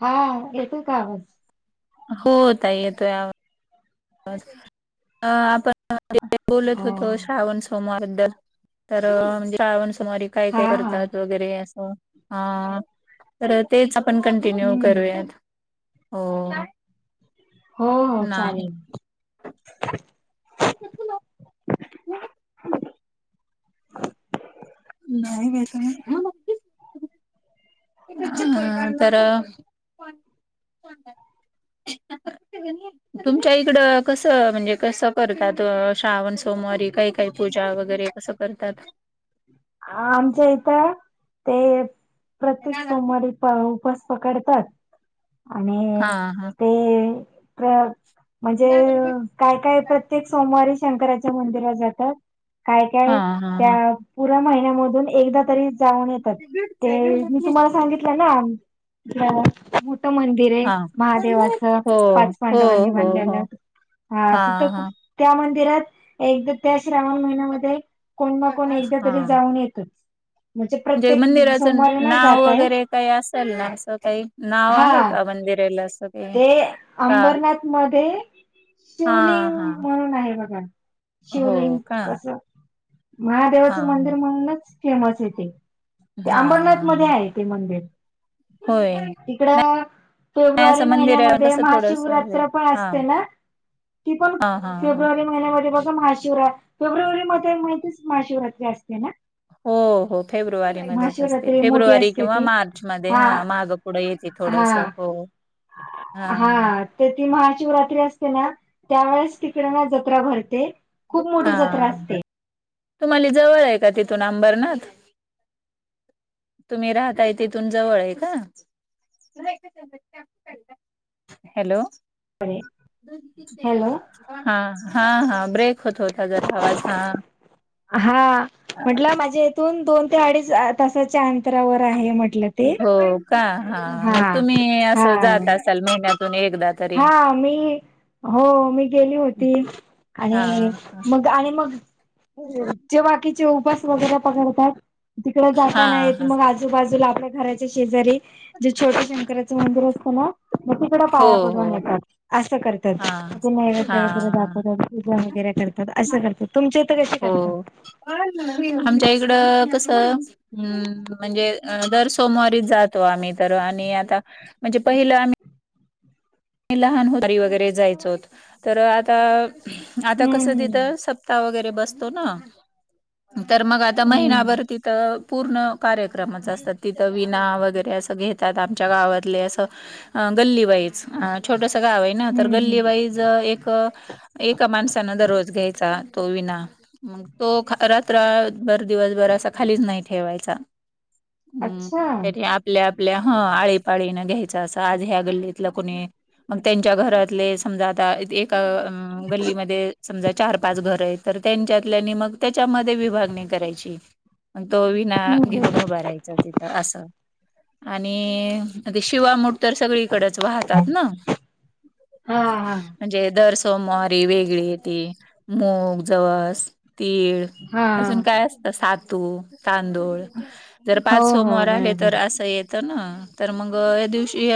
हा येतोय का आवाज? होता येतो. आपण बोलत हा. होतो श्रावण सोमारद तर म्हणजे श्रावण सुोमारी काय हा काय हा करतात वगैरे असं. हा तर तेच आपण कंटिन्यू हम्म करूयात हो. हो हो नाही चालेल. नाही बेस नाही. ह तर तुमच्या इकड कस म्हणजे कस करतात श्रावण सोमवारी काही काही पूजा वगैरे कसं करतात. आमच्या इथं ते प्रत्येक सोमवारी उपस पकडतात हा आणि हा ते प्र म्हणजे काय काय प्रत्येक सोमवारी शंकराच्या मंदिरात जातात. काय हा काय हा हा त्या पुर महिन्यामधून एकदा तरी ऊ येतात मी तुम्हाला सांगितलं ना. हिरे हा महादेवाचं हो पाच हो पांडवांनी हो हो बांनलेलं ह हा तिथं खूप हा त्या मंदिरात एकदा त्या श्रावण महिन्यामध्ये कोण ना कोण एकदा हा तरी जाऊन येतच. म्हणजे प्रत्येक मंदिराचं सोमवारी नाही नाव जातायेत वगैरे काही असेल ना असं काही नाव हा आहे का मंदिराला असं काही ते का अंबरनाथ मध्ये हा शिवलिंग हा म्हणून आहे बघा हो शिवलिंग का कस महादेव हा ण फेमस आहे ते हा अंबरनाथ मध्ये आहे ते मंदिर होय. तिकड. नाही असं फेब्रुवारी मंदिर आहे महिन्यामध्ये कसं थोडस हा महाशिवरात्र पण हा असते ना ती पण हा हा फेब्रुवारी महिन्या बघ महाशिात फेब्रुवारी मध्ये माहिच महाशिवरात्री असते ना. हो हो फेब्रुवारीमध्येच असते महाशिवरात्री मोठी फेब्रुवारी असते किंवा ती मार्चमध्ये हा माग पुढं येते हा थोडस हो हा. तर ती महाशिवरात्री असते ना त्यावेेळेस तिकडे ना जत्रा भरते. खूप मोठी हा जत्रा असते. तुम्हाला जवळ आहे का तिथून अंबरनाथ तुम्ही राहताय तिथून जवळ आहे का? हॅलो. हॅलो हा हा हा ब्रेक. दुखत होता गर आवाज हा. हा म्हटलं माझ्या इथून दोन ते अडीच तासाच्या अंतरावर आहे म्हटलं. ते हो का हा मग तुम्ही हा असं जात असाल महिन्यातून एकदा तरी हा मी हो मी गेली होती हा आणि मग आणि मग जे बाकीचे उपास वगैरे पकडतात. तिकड हा जाता नाहीत हा मग आजूबाजूला आपल्या घराच्या शेजारी जे छोटे शंकराचं मंदिर असत ना मग तिकड हो पाया डव हो नेतात असं करतात हा कि नै्य हा वगैरे दाखव. पूजा वगैरे करतात असं करतात तुमच्या तर कशी हो करतात आमच्या इकड कस् अ म्हणजे, दर सोमवारीच जातो. आम्ही तर आणि आता म्हणजे पहिलं आम्ही लहान होतारी वगैरे जायचो होत तर आता, आता कसं हम्म तिथं सप्ताह वगैरे बसतो ना! तर मग आता हम्म महिनाभर तिथं पूर्ण कार्यक्रमच असतात. तिथं विना वगैरे असं घेतात, आमच्या गावातले असं गल्ली वाईज. अ छोटस गाव आहे ना! तर हम्म गल्ली हम्म वाईज एक एका माणसानं दररोज घ्यायचा तो विना. मग तो रात्रभर दिवसभर असा खालीच नाही ठेवायचा. हम्म! अच्छा त्यारी आपल्या आपल्या ह आळीपाळीनं घ्यायचं असं आज ह्या गल्लीतलं कोणी, मग त्यांच्या घरातले समजा आता एका गल्लीमध्ये, समजा चार पाच घर आहे तर त्यांच्यातल्याने मग त्याच्यामध्ये विभागणी करायची. तो विना घेऊन हम्म उभं राहायच तिथं असं आणि.... शिवामूठ तर सगळीकडेच वाहतात ना. हा हा म्हणजे, सोमवारीे वेगळी येती मूग, जवस, तीळ अजून हा काय अस सातू, तांदूळ जर हो पाच हो सोमोवार आले तर बरोबर असं येत ना तर मग या दिवशी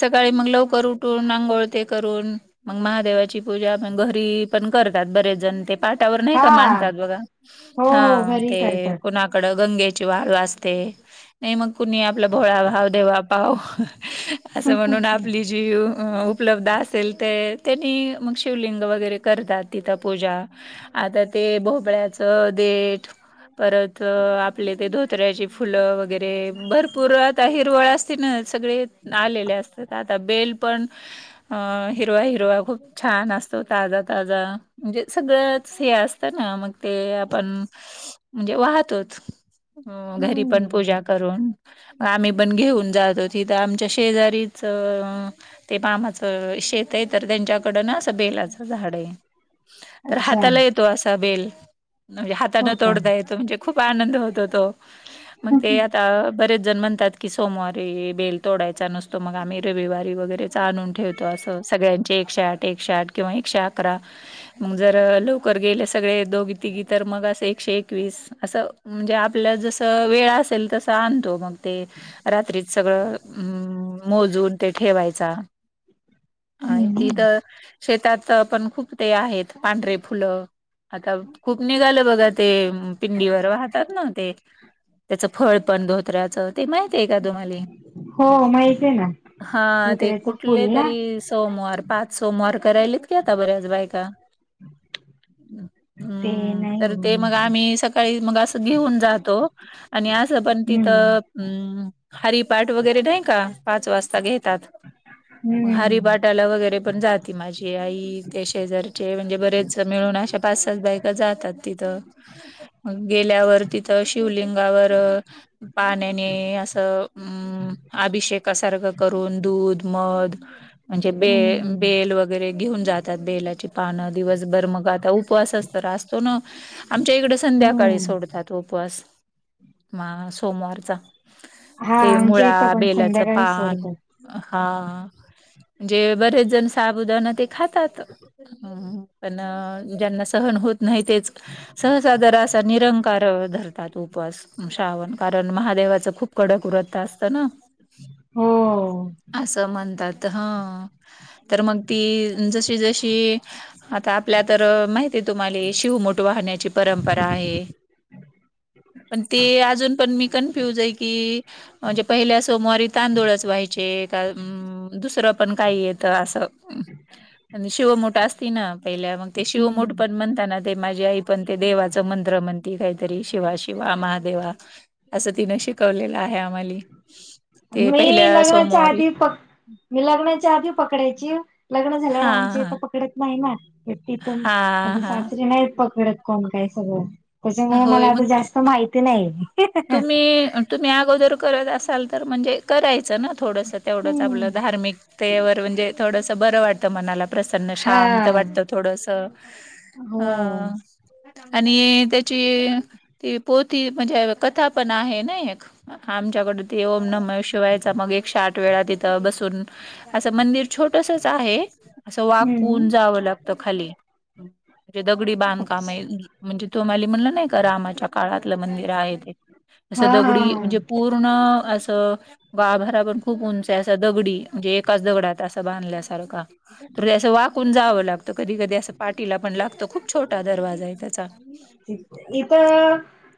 सकाळी मग लवकर उठून आंघोळ ते करून. मग महादेवाची पूजा घरी पण करतात बरेच जण ते, पाठावर नाही हा का मडतात बघा, हो हो हा घरी ते करतात कोणा कडं गंगेची वाल वा असते. नाही मग कुणी आपला भोळा भाव देवा पाव असं हम्म म्हणून, हम्म आपली जी उपलब्ध असेल ते त्यांनी मग शिवलिंग वगैरे करतात तिथं पूजा. आता ते भोपळ्याचं देट परत आपले ते धोत्र्याची फुलं वगैरे भरपूर आता हिरवळ असत. सगळे आलेले अस आता बेल पण अ हिरवा - हिरवा खूप छान असतो ताजा- ताजा म्हणजे सगळंच हे असतं ना मग ते आपण म्हणजे वाहतोच. अ घरी पण हम्म पूजा करून. आम्ही पण घेऊन जातो तिथं आमच्या शेजारी च ते मामाचं शेत आहे तर त्यांच्याकड ना असं बेलाचं झाड आहे. तर अच्छा हाताला येतो असा बेल म्हणजे हो हाताानं तोडता येतो म्हणजे, खूप आनंद होतो तो मग का ते बरेच जण म्हणतात की सोमवारी बेल तोडायच्या नुस तो मग आम्ही रविवारी वगैरेच आणून ठेवतो. असं सगळ्यांचे एकशे आठ, एकशे आठ किंवा एकशे अकरा. मग जर लवकर गेले सगळे दोघी तिघी तर मग असं एकशे एक, एकवीस असं म्हणजे आपल्या जस वेळ असेल तसं आणतो मग, ते रात्रीत सगळं मोजून ते ठेवायचा. आणि ती हम्म तर, शेतात पण खूप ते आहेत पांढरे फुलं. आता खूप निघालं बघा ते पिंडीवर वाहतात ना ते, त्याचं फळ पण धोत्र्याचं ते माहित आहे का तुम्हाला? हो माहित आहे ना! हा ते धोत्र्याचं फुल कुठले ना तरी सोमवार. पाच सोमार क राहिलेत का आता बऱ्याच बायका. ते हम्म! नाही तर हो ते मग माहिती आम्ही सकाळी मग असं घेऊन जातो. आणि असं पण हम्म तिथं, हम, हरिपाट वगैरे नाही का! पाच वाजता घेतात. हम्म हरपाट घटाला वगैरे पण जाती माझी आई ते शेजारचे म्हणजे बरेच मिळून अशा पाच सात बायका जातात. तिथं मग गेल्यावर तिथं शिवलिंगावर पाण्याने असं अम अभिषेक, करून दूध, मध म्हणजे हम्म ब बेल वगैरे, घेऊन जातात बेलाची पानं दिवसभर मग आता उपवास असत असतो ना आमच्या इकडे, संध्याकाळी हम्म सोडतात उपवास म सोमवारचा, हा ते आमच्या मुळा येतं पण बेलाचं संध्याकाळीच पान सोडतात हा म्हणजे बरेच जण साबुदण ते खातात. अ पण ज्यांना सहन होत नाही तेच, सहसादर असा निरंकार धरतात उपवास, श्रावण कारण महादेवाच खूप कडक वरत असतं ना, हो असं म्हणतात हा तर मग ती जशी जशी, आता आपल्या तर माहिती आहे तुम्हाला शिवमोठ वाहण्याची परंपरा आहे. पण ते अजून पण मी कन्फ्युज आहे की म्हणजे पहिल्या सोमवारी, तांदूळच व्हायचे का दुसरं पण काही येतं असं. आणि शिवमुठ असती ना पहिल्या मग ते शिवमुठ हम्म पण म्हणत ना ते माझी आई पण ते देवाचं मंत्र म्हणते, ती काहीतरी शिवा शिवा महादेवा असं तिन शिकवलेलं आहे आम्हाली, मी लग्नाला चहात प, मी लग्नाच्या आधी पकडायची लग्न झाल्यावर हा आमची हा. तर पकडत नाही ना, तिथ हां, माझे हां. सासरी नाही पकडत कोण काय सगळं त्याच्यामुळे मला होय, आता मग जास्त, माहिती नाही तुम्ही तुम्ही अगोदर करत असाल तर म्हणजे करायचं ना, थोडंसं तेवढंच आपलं हम्म धार्मिकतेवर म्हणजे थोडंसं बरं वाटतं मनाला, प्रसन्न हा शांत वाटत थोडस असं. हो आणि त्याची ती पोती म्हणजे, कथा पण आहे ना एक आमच्याकडं, ते ओम न म शिवायचा मग एक शे आठ वेळा तिथं बसून, असं मंदिर छोटसच आहे असं हम्म वाकून जावं लागत. तो खाली, म्हणजे दगडी अच्छा बांधकाम म्हणजे तुम्हाला म्हणलं नाही का रामाच्या काळातलं मंदिर आहे ते असं हा हा दगडी म्हणजे हा पूर्ण असं, गावभरा पण खूप उंच असा दगडी म्हणजे एकाच दगडात असा बांधल्यासारखा, तुम्हाला वाट, ण जावं लागत कधी कधी असं पाठीला पण लागतं खूप छोटा दरवाजा आहे त्याचा, इथं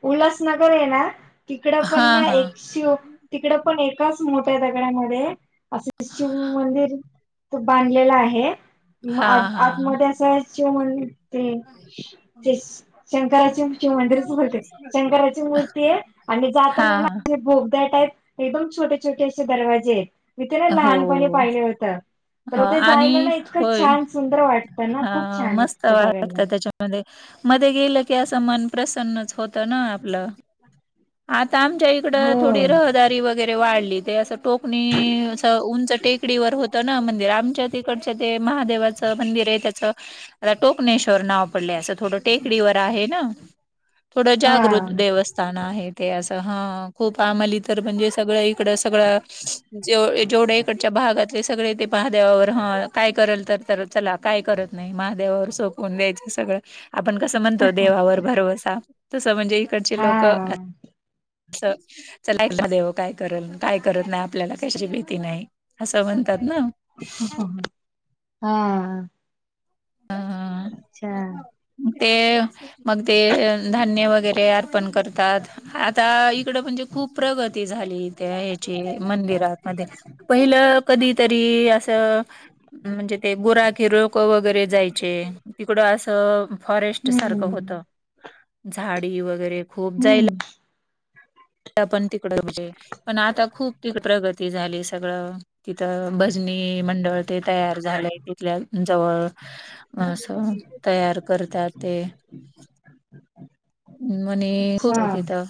उल्हासनगर आहे ना तिकड पण हां, ना हां. एकशे, तिकड पण एकाच मोठं आहे दगड्यामध्ये असं शिव मंदिर तो बांधलेला आहे म्हणून आ हां, हां, हां. आतमध्ये असं ज म्ह हम् तेच शंराची शिव मंदिरच होते शंकराची मूर्ती आहे आणि जाताना, हां, हां. मोगलांच्या टाईप एकदम छोटे छोटे असे दरवाजे आहेत मी ते ना हो. लहानपणी पाहिले होत अ, तर ते जायला ना इतकं छान सुंदर वाटत. हा मस्त वाटत त्याच्या, म मध्ये गेलं की असं मन प्रसन्नच होत ना आपलं, आता आमच्या इकडं हो. थोडी रहदारी वगैरे वाढली ते असं, टोकणी उंच टेकडीवर होत. मंदिर आमच्या तिकडच्या ते महादेवाचं मंदिर आहे त्याच आता टोकनेश, नाव पडले अस थोड टेकडीवर आहे ना थोड जागृत हां. देवस्थान आहे. ते असं हा खूप आम्हाली तर म्हणजे सगळं, इड सगळं जे जेवढ्या इकडच्या भागात, ते सगळे ते पहाद्यावावर ह काय करेल तर चला काय करत नाही महादेवावर सोडवून द्यायचं सगळं आपण कसं म्हणतो हां. देवावर भरवसा, तसं म्हणजे इकडचे लोकतिकडचे, हां. अस चला एकदा देव काय करल काय करत नाही आपल्याला कशी भीती नाही. असं म्हणतात ना हा अ अच्छा ते मग ते धान्य वगैरे अर्पण करतात आता इकड म्हणजे खूप प्रगती झाली त्या याची मंदिरांमध्ये पहिलं कधीतरी असं म्हणजे ते गुलामगिरी वगैरे जायचे तिकडं असं फॉरेस्ट सारखं होत हम्म. झाडी वगैरे खोप जायला हम्म. पण तिकडं म्हजे पण आता खूप तिक प्रगती झाली सगळं तिथं भजनी मंडळ ते तयार झालंय तिथल्या जवळ अस तयार करतात ते म्हणे खूप अच्छा. तिथं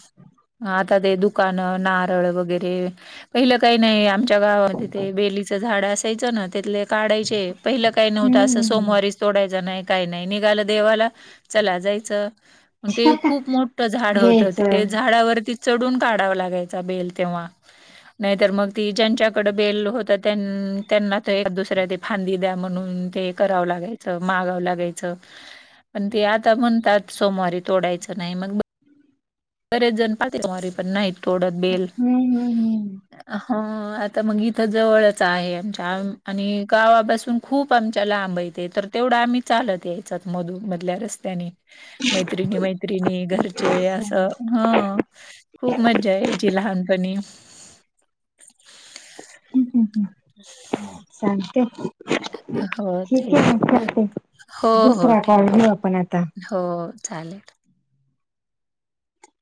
आता ते दुकानं नारळ वगैरे पहिलं काही नाही आमच्या गावामध्ये ते बेलीचं झाड असायचं ना त्याथले- काढायचे पहिलं काय नव्हतं असं हम्म. सोमवारीच तोडायंचे नाही काय नाही निघालं देवाला चला जायच तिथे खूप मोठ झाड होतं घ्यायचं. ते झाडावरती चढून काढावा लागायचा बेल तेव्हा नाहीतर मग ती ज्यांच्याकडे बेल होत त्यांना ते दुसऱ्या- फांदी द्या म्हणून ते करावं लागायचं मागावं लागायचं पण ते आता म्हणतात सोमवारी तोडायचं नाही मग बरेच जण पाहवारी पण नाहीत थोडत बेल हम्म. हम्म. हो आता मग इथ जवळच आहे आमच्या आणि गावापासून खूप आमच्याला लांब यते तर तेवढं आम्ही चालत यायचत मधु मधल्या रस्त्याने मैत्रिणी मैत्रिणी घरचे हम्म. असं सांग- हा खूप मज्जा आहे यायची लहानपणी हम् हम् हम् हम स ते ठीक ते आहे ना ते हो हो दुसरा कॉल ठेवा घेऊ आपण आता हो चालेल